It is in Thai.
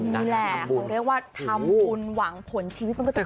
นี่แหละเรียกว่าทำฝุนหวังผลชีวิตมันก็จะตั้ง